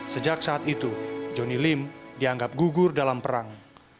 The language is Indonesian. sejak saat itu johnny lim dianggap gugur dalam perang